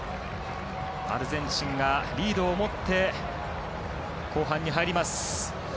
アルゼンチンがリードを持って後半に入ります。